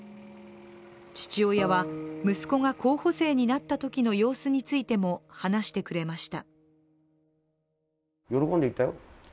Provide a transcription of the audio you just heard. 父親は、息子が候補生になったときの様子についても話してくれました。